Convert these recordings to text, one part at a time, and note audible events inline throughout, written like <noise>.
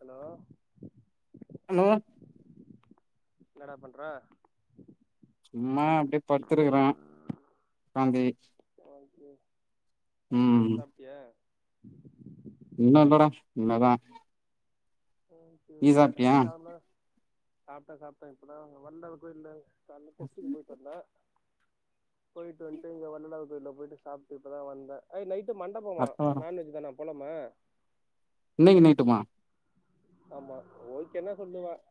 Allow hello என்னடா பண்ற சும்மா அப்டே படுத்திருகிறே காந்தி ஓகே ஓகே உம் ஓகே சாப்ட்டியா இன்னு இல்லட இன்மேத <inaudible> சாப்ட்டா சாப்ட்ட இப்பதா வன் அவர் கூட இல்ல காலைல டெஸ்ட்டுக்கு போயிட்டுவந்த போய்ட்டு வன்டு இங்க வள்ளலார் கோயில போயிட்டு சாப்ட்டு இப்பதா வந்த ஹய் னைட் மண்டபமா அடுத்த நான் வெஜ் தான போலமா இன்னைக்கி நைட்டுமா ஆமா ஓய்கென்னா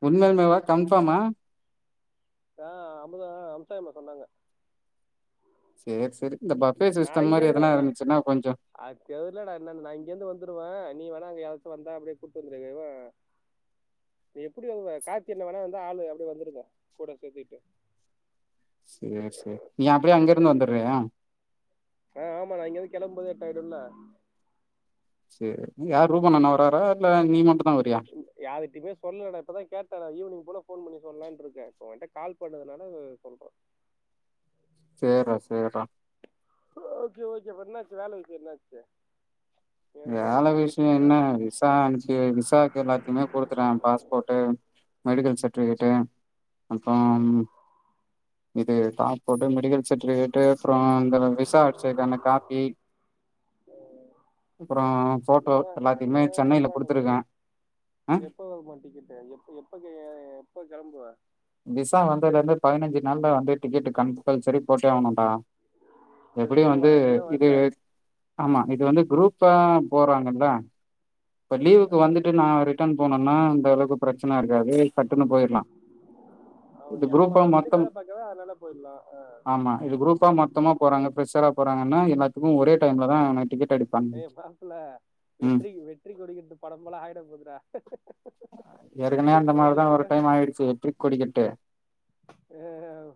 உண்மேல்மேவா கன்ஃபாமா தா அமுதா அம்சாயிமா சொன்னாங்க சேரி சேரி இந்த பஃபே நா சிஸ்டம் மாரி இங்கந்து எதனா ந இருந்துச்சுன்னா கொஞ்சோ அத் தெரிலட என்னனு நா இங்கந்து வந்துருவ நீ வரு அங்க யாரச்சு வந்தா அப்டியே கூட்டு வந்துருங்க இவ நீ எப்டி வருவா கார்த்தி அண்ண வேணா வந்தா ஆளு அப்படி வந்துருங்க கூட சேத்திட்டு செரி செரி நீ அப்டியே அங்கருந்து வந்துறியா ஆமா நான் இங்கருந்து கெளம்பும்போது <unintelligible> செரி யாரு ரூபண் அண்ணா வராரா இல்ல நீ மட்டும் யாருகிட்டமே சொல்லுலடா இப்பதா கேட்டே நா ஈவினிங் போல ஃபோன் பண்ணி சொல்லலான்ட்டு இருக்கே இப்போ உங்கிட்ட கால் பண்ணதுனால சொல்ற சேர்றா சேர்றா ஓகே ஓகேப்ப என்னாச்சு வேல விஷயம் என்னாச்சு ஏன் வெளிநாடு வேல போகணுன்ட்டு விஷய இருந்த என்ன விசா அனுப்பி விசாக்கு எல்லாத்தையுமே குடுத்துட்டே பாஸ்போட்டு மெடிக்கல் சர்ட்டிபிகேட்டு அப்புறம் இது பாஸ்போர்ட்டு மெடிக்கல் சர்ட்டிபிகேட்டு் அப்புறம் இந்த விசா அடிச்சதுக்கான காப்பி அப்றோ ஃபோட்டோ என்னதான் எல்லாத்தையுமே என்னதான் சென்னைல சொல்றானுக குடுத்துருக்கே ஆ எப்ப வருமா டிக்கெட்டு எப்ப எப்ப கெளம்புவே விசா வந்ததிலிருந்து பதினஞ்சு நாள்ல வந்து டிக்கெட் கம்பல்சரி போட்டே ஆகணுன்டா இப்போ எப்படியு விசா வந்து வர இன்னும் இது வரல ஆமா இது வந்து குரூப் இப்போ போறாங்கல்ல இப்ப ஆ. லீவுக்கு வந்துட்டு நான் ரிட்டன் போனோம்னா அந்த அளவுக்கு பிரச்சனை இருக்காது சட்டுன்னு போயிரலாம் அவன் இது நீ ஆமா குரூப்ப ஆல்ரெடி மொத்தம் வேலை பார்க்கவே அதனால போயிடலாம் ஆ. ஆமா இது குரூப்பா மொத்தமா போறாங்க பிரெஷரா போறாங்கன்னா எல்லாத்துக்கு ஒரே டைம்ல தா டிக்கெட் அடிப்பாங்க ஏ் மாப்பிள்ள ம் வெற்றி வெற்றி கொடி கட்டுங்கிற படம் போலே ஆயிட போதுறா ஏற்கனவே ஒரு லட்சமா கட்டு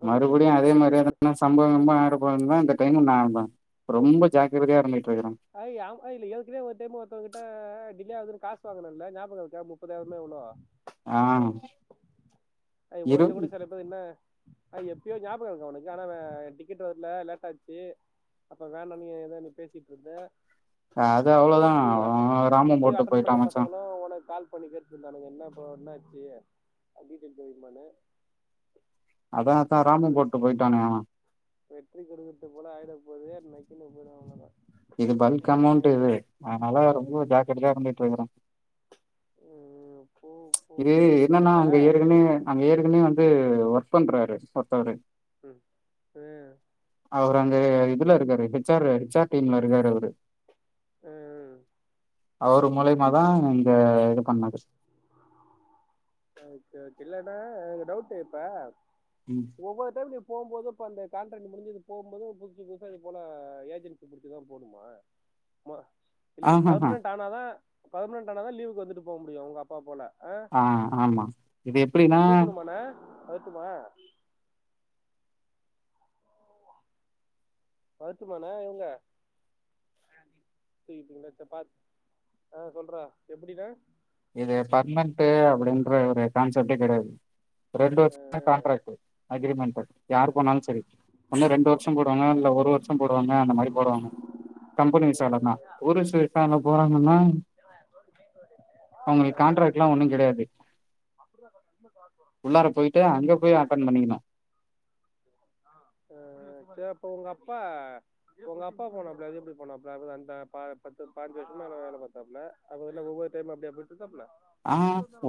மறுபடியும் அதே நம்மளுக்கு கட்டு மாதிரியான சம்பவம் கிம்பவம் ஆயிரப்போகுதுன்னு இந்த டைம் நான் ஆமா ரொம்ப ஜாக்கிரதையா இருந்த அய் அ இல்ல ஏற்கனவே ஒரு டைம் ஒருத்தங்கிட்ட டிலே ஆகுது காசு வாங்கினேல்ல ஞாபக இருக்கா முப்பதாயிரமா எவ்வளோ ஆஹ் அய் போயிட்டு கூட செல பேர் என்ன ஆஹ் எப்பயோ ஞாபகம் இருக்கா உனக்கு ஆனா டிக்கெட் வரலே லேட்டாச்சு அப்ப வேண நீ ஏதோ பேசிட்டு இருந்தே அது அதுல அவ்ளோதா இன் அவ ராம இன்டிரியூ போட்டு அட்டன் போயிட்டா பண்ண மச்சா பசங்களும் உனக்கு கால் பண்ணி பேசிட்டுருந்தானு என்ன ஆச்சு இப்ப என்னாச்சு <unintelligible> அதா அதா அதான் ராம போட்டு வெற்றி போயிட்டானே அவ வெற்றி கொடுக்கட்டு போல ஆயிட போது இனி <unintelligible> அவ்ளோ தான் இது பல்க் அமௌண்ட் இது அதனால ரொம்ப ஜாக்கிரதையா தான் இருந்து வெக்கிறேன் ம், போ போ இது என்னன்னா இப்ப அங்க ஏற்கனவே அங்க ஏற்கனேவே வந்து ஒர்க் பண்றாரு சரி ம் ஆ அவர் அங்க இதுல இருக்காரு ஷார் ஏச் ஆர் டீம்ல இருக்காரு அவரு ம். அவரு மூலியமாதா இங்க இது பண்ணது சரி சரி இல்லன்ன எனக்கு டவுட் இப்ப ம் ஒவ்வர்தருக்கு இப் போ போது இப்ப அந்த கான்ராக்ட் முடிஞ்சது போம் போது புதுசு புதுசா இது போல ஏஜென்ட்டு புடிச்சிதா போனுமா இல்ல நீ ஆஹஹ பர்மனன்ட் ஆனாதா பரமணெண்ட் ஆனா தா லீவுக்கு வந்துட்டு போ முடியு உங்க அப்பா போல ஆ? ஆ ஆமா இது எப்படின்னா ஏறட்டுமா வருட்டுமான எங்க <inaudible> பீங்களா பார் ஆ சொல்ற எப்டிடா இது பர்மணட்டு அப்படின்ற ஒரு கான்ஸ் சப்டே கிடையாது ரெண்டு ஆ, வர்சதுக்கு தா காண்ட்ராக்ட்டு அக்ரிமெண்ட் ப ஆ, யார் போனாலோ செரி ஒண்ணு ரெண்டு ஓ- வருஷோ போடுவாங்க இல்ல ஒ ஒரு வருஷோ போடுவாங்க அந்த மாரி போடுவாங்க கம்பெனி விசால்லனா டுரிஸ்ட்டு விசால போறாங்கன்னா அவங்களுக்கு கண்ட்ராக்ட் லா ஒண்ணு கிடையாது உள்ளார போயிட் அங்க போய் அட்டன் பண்ணிக்கணு ஆ சரி ப்ப உங்க அப்பா உங்க அப்பா போனாப்ல அது எப்படி போனாப்ல அ அந்த ப பத்து பானஞ்சு வருஷமா ந வேலை பார்த்தாப்ல அ ஒவ் ஒவ்வொரு டைம் அப்படியா போயிட்டு இருந்தாப்ல ஆ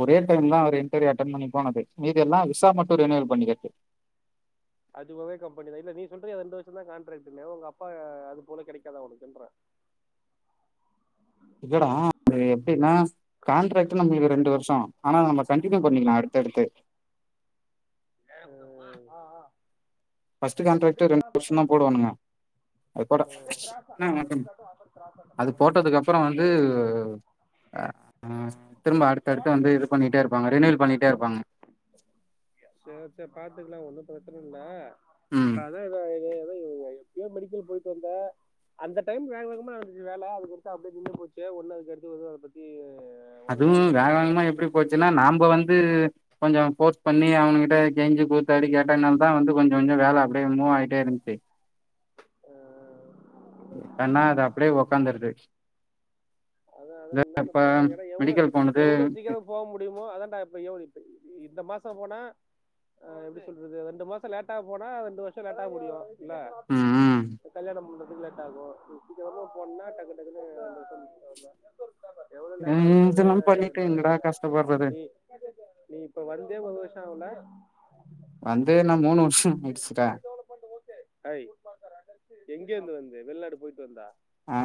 ஒரே டைம் தா அவர் இன்டர்வியூ அட்டன் பண்ணி போ பேசனது மீதி எல்லா விசா மட்டு ரெனிவல் பண்ணி <unintelligible> அதுவொவே கம்பெனி தா இல்ல நீ சொல்ற ரெண்டு வருஷ தா கான்ட்ராக்ட்னு உங்க அப்பா அது போல கிடைக்காதா உனக்குன்ற இல்லடா அது எப்படீன்னா கான்ட்ராக்ட் நம்பளுக்கு ரெண்டு வருஷோ ஆனா நம்ம கன்டினியூ பண்ணிக்கலா அடுத்தடுத்து ஏறட்டுமா ஆ ஆ பஸ்ட்டு கான்ராக்டு ரெண்டு வருஷம் தா போடுவானுங்க அப்பறோ அண்ண வணக்கம்ன்ன அது போட்டதுக்கு அப்புறோ வந்து ஆ திரும்ப அடுத்த அடுத்து வந்து இது பண்ணிட்டே இருப்பாங்க ரினிவல் பண்ணிட்டே இருப்பாங்க ச்ச பாத்துக்கலா ஒன்னு பிரச்சன இல்ல ம் அதா இத இது ங்க எப்யோ மெடிக்கல் போயிட்டு வந்த அந்த டைம்ல வேக வேகமா வந்துச்சி வேல அதுக்கடுத்து அப்டியே நின்னு போச்ச ஒன்னு அடுத்து அத பத்தி ஒன்றும் அதுவு வேலை வேக நடக்குதா வேகமா என்னன்னு எப்பிடி கேட்டேன் போச்சுன்னா நாம்ப வந்து கொஞ்ஜோ போஸ் பண்ணி அவனுங்கிட்ட கெஞ்சி கூத்தாடி கேட்டதுனால தா வந்து கொஞ்சோ கொஞ்சோ வேலை அப்படியே மூவ் ஆயிட்டே இருந்துச்சு ஆ கண்ணா அது அப்படியே உக்காந்துருது அதா அதா இந்த என்னனு இப்ப பாரு ஏனா எவ்வளோ மெடிக்கல் போனது எவ்வளோ சீக்கிரோ போக முடியுமோ அதான்டா இப்ப எவ் இந்த மாசோ போனா எப்பிடி சொல்றது ரெண்டு மாசோ லேட்டா போனா ரெண்டு வருஷோ லேட்டா முடியு இல்ல ம் ம் இப்ப கல்யாணம் மு லேட்டாகு நீ சீக்கரமா போனா டக்கு டக்குனு <unintelligible> எவ்ளோ லேட்டா ஆவுதோ ம் அது இதெல்லா பண்ணிட்டு நா எங்கடா கஷ்டப்படுறது நீ நீ இப்ப வந்தே போத <unintelligible> வந்தே நா மூனு வருஷ் துண்டு டெவலப்மெண்ட் ஒகே <unintelligible> ஹாய் எங்க இருந்து வந் வெளிநாடு போய்ட்டு வந்தா ஆ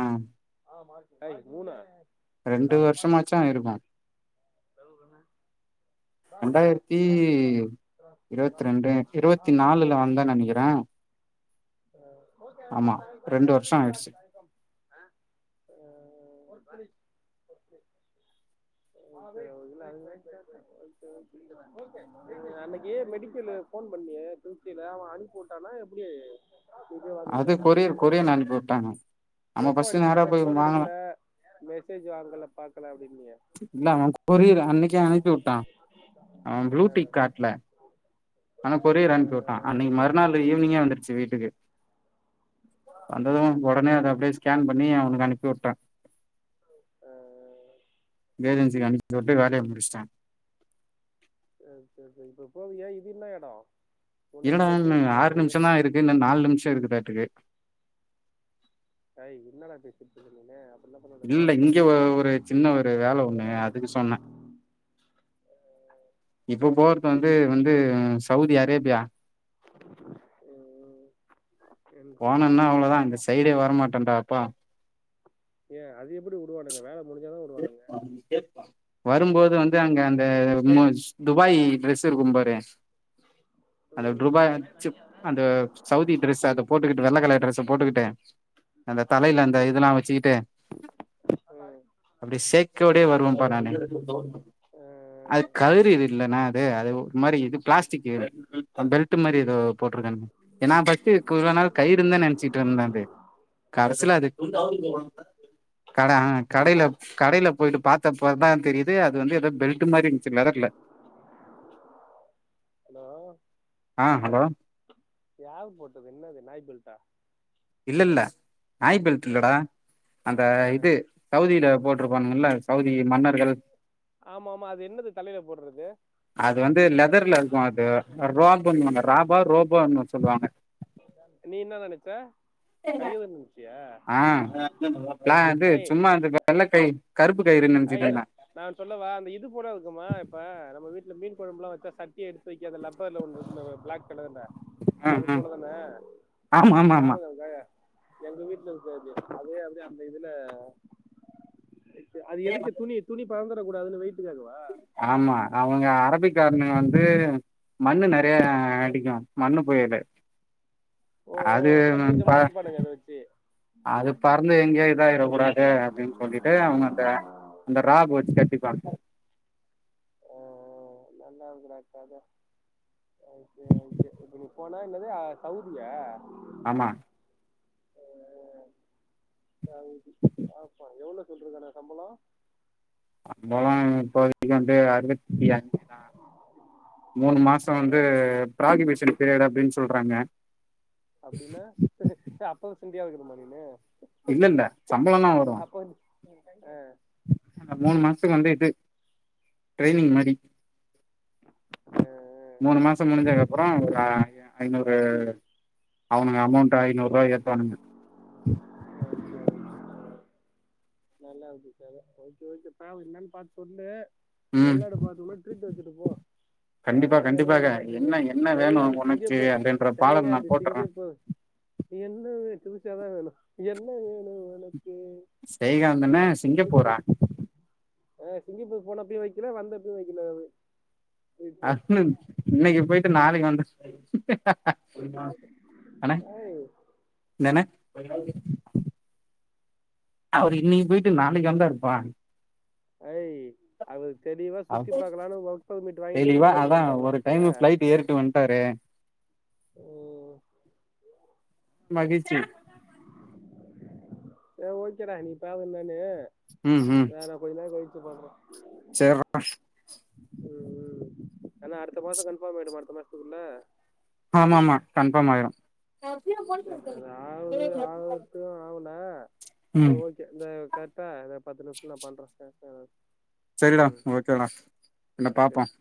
<unintelligible> ரெண்டு வெல்கம் மார்க்கெட் வருஷமாச்சு இருக்கு என்னெ கிராஸ் கிராஸ் ரெண்டாயிரத்தி கிராஸ் கிராஸ் கிராஸ் இருவத்தி கிராஸ் ரெண்டு <unintelligible> மா இருவத்தி நாலுல வந்தேன் நெனைக்கிறே ஆமா ரெண்டு வருஷோ ஆயிடுச்சு <unintelligible> ஒகே ஒகே அன்னைக்கு மெடிக்கலு போன் பண்ணியே திருச்சில அவெ அனுப்புட்டானா எப்புடி அது கொரியர் கொரியர்னு அனுப்பி வுட்டாங்க நம்ம எப்போ ஃபஸ்ட் நேற அனுப்பிவிட்டா அதான் போயி ஃபோன் வாங்கலா எடுக்கல மெசேஜ் வாங்கல பார்க்கல அப்படின்னியே இல்ல அவன் கொரியர் அன்னைக்கு அனுப்பிவுட்டா அவன் ப்ளூ டிக் காட்லா ஆனா கொரியர் அனுப்பி வுட்டா அன்னைக்கு மறுநாள் ஈவினிங்கே வந்துருச்சு வீட்டுக்கு வந்தது ஒடனே அத அப்படியே ஸ்கேன் பண்ணி அவனுக்கு அனுப்பி வுட்ட ஏஜென்சிகு அனுப் இந்த வாட்டி வேலய முடிச்சிட்டே சரி சரி சரி இப்ப போவியா இது என்ன இடம் முன்னாடி இல்லன பக்ரீன் போனேன் ஆறு இது நிமிஷம் தா இருக்கு இன்ன நாலு நிமிஷோ இருக்கு தாட்டுக்கு ஹய் என்னடா பேசிட்டுருக்கீங்க இல்ல இங்க ஒரு சின்ன ஒரு வேல ஒண்ணு அதுக்கு சொன்னே இப்போ போறது வந்து வந்து சவுதி அரேபியா ஹ் ஹ் போனனா அவ்ளோதா அந்த சைடே வரமாட்டேன்டாப்பா யா அது எப்புடி வுடுவானுங்க வேல முடிஞ்சாதா வுடுவானுங்க வரும்போது வந்து அங்க அந்த துபாய் ட்ரெஸ் இருக்கு பாரு அந்த ம், ட்ருபாய் அச்சு அந்த சவுதி டிரெஸ் அத போட்டுக்கிட்டு வெள்ள கலர் ட்ரெஸ் போட்டுக்கிட்டே அந்த தலையில அந்த ம், ம், இதெல்லா வச்சிக்கிட்டு அப்டி சேக்கவுடே வருவோம்ப்பா நானு ஆ, அது கலறிது இல் நா அது அது ஒரு மாரி இது பிளாஸ்டிக் பெல்ட் மாரி ஏதோ போட்டிருக்கனு ஏன்னா ஃபஸ்ட் கு இவ்ளா நாள் கயிறுனு தா நெனைச்சிட்டு இருந்தது கடசி சிலது <unintelligible> கட ஆ கடையில கடையில போயிட்டு பாத்தப்பதா தெரியுது அது வந்து ஏதோ பெல்ட் மாரி இருந்துச்சு லெதர்ல ஹலோ ஆஹ் ஹலோ யார் போட்டது என்னது நாய் பெல்ட்டா? இல்ல இல்ல நாய் பெல்ட் ஆ, இல்லடா அந்த ஆ. இது சவுதியில போட் இருப்பானுங்கல்ல சவுதி மன்னர்கள் ஆமா ஆமா அது என்னது தலையில போடுறது அது வந்து லெதர்ல இருக்கும் அது ரோப்புன்னுவாங்க ராப் பா ரோபோன்னு சொல்லுவாங்க நீ என்ன நெனைச்ச? கை <unintelligible> ஆஹ் ப்ல அது சும்மா இருந்து வெள்ள கை கருப்பு கயிறு அஹ் நெனச்சிட்டு இல்ல இருந்தே நா ஒன்னு சொல்லவா அந்த இது போல இருக்குமா இப்ப நம்ம வீட் இந்த மீன் குழம்புல்லா வச்சா சட்டி எடுத் தூக்கி அந்த லப்பர்ல ஒன்னு இருக்குமே பிளாக் <unintelligible> அது ஆ ஆ போலதான ஆமா ஆமா ஆமா ஞாபகம் இருக்கா எங்க வீட்டுல இருக்கு அது அதே அதே அந்த இதுல அது எதுக்கு துணி துணி பறந் பண்ண கூடாதுனு வெயிட் ஆமா அவங்க அரபிக் காரனுங்க வந்து மண்ணு நெறைய அடிக்கோ மண்ணு புயலு ஓ ஓ அது அப்படியே மூஞ்ச ப மறைச்சுப்பானுங்க அத வச்சு அது பறந்து எங்கேயு இதாயிர கூடாது அப்டின் சொல்லிட்டு அவுங்க அந்த அந்த ராக் வெச்சு கட்டிப்பாங்க அஹ் நல்லா இருக்குடா கத அது அது நீ போன என்னது சௌதியா? ஆமா எவ்ள சொல்லிருக்கானுங்க சம்பளோ சம்பளோ இப்போதைக்கி வந்து அறுபத் <inaudible> மூணு மாசோ எவ்வளோ வந்து புராகிபிகேஷன் <unintelligible> அப்டின்னு சொல்றாங்க அப்டின்னா அப்போ தண்டியா இருக்கணுமா நீனு? இல்லல்ல சம்பளல்லா வரும் அஹ் அந்த மூணு மாசத்துக்கு வந்து இது ட்ரைனிங் மாரி மூணு மாசோ முடிஞ்சதுக்கு அப்புறோ ஒரு அ ஐநூறு அவுனுங்க அமௌண்ட் ஐநூறு ரூபா ஏத்துவானுங்க நல்லா இருக்கு கத ஓகே ஓகே பபாரு என்னன்னு பாத்து சொல்லு ம் வெளிநாடு போறதுக்குள்ள ட்ரீட் வெச்சுட்டுப்போ கண்டிப்பா எவனு எதுவு கண்டிப்பாக வெக்க மாட்டேங்குறீங்க என்ன என்ன வேணு சயகாந்தி உனக்கு சிங்கப்பூர் அப்டின்ற பாடல் நா சயகாந்தி போட்டுறே சிங்கப்பூர் என்ன வே துசியாதா வேணு என்ன வேணு ஒனக் என்னணே சிங்கப்பூரா ஆஹ் சிங்கப்பூர் போனப்பயு வைக்கல வந்தப்பயு வைக்கல அது <unintelligible> இன்னைக்கிப் போயிட் தத்து நாளைக்கு வந்துச் அண்ணே ஐய் என்னணே <unintelligible> அவரு இன்னிக் போயிட்டு நாளைக்கு வரதா இருப்பா ஹய் அவுக தெளிவா சுத்தி பாக்கலானு ஒர்க் பர்மீட் வாங்கிட்டு சுத்தி தெளிவா பாத்துட்டு அதா வந்துட்டாப்ல ஒரு டைம் பாத்தியா ஃபிளைட் ஏறிட்டு வன்ட்டாரு உம் மகிழ்ச்சி ஓக்கேடா நீ பாவ தானு ம் ம் வேன கொஞ்ச நேர கழிச் பண்ற சேர்றா உஹம் உஹம் ஆனா அடுத்த மாசம் கன்ஃபார்ம் ஆயிடுமா அடுத்த மாசத்துக்குள்ள ஆமா ஆமா கன்பார்ம் ஆயிரும் சரி, அது ஆகுது ஆகட்டும் ஆகுனா <inaudible> ம் பா இத பத்து நிமிஷத்துல நா பண்ற டாஸ்க் சரிடா ஓகேடா என்ன சரி பாப்போம்